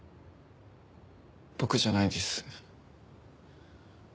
僕じゃないです。